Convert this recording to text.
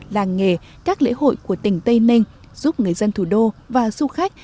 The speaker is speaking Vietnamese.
làng nghề các lễ hội của tỉnh tây ninh giúp người dân thủ đô và du khách